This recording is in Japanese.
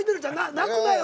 泣くなよ